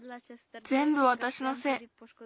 ぜんぶわたしのせい。